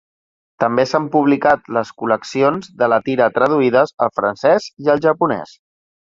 També s'han publicat les col·leccions de la tira traduïdes al francès i al japonès.